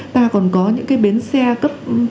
ta còn có những cái bến xe cấp